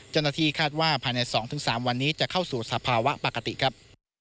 เจ้าหน้าที่คาดว่าภายใน๒๓วันนี้จะเข้าสู่สภาวะปกติครับ